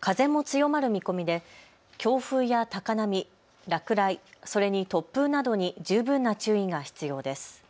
風も強まる見込みで強風や高波、落雷、それに突風などに十分な注意が必要です。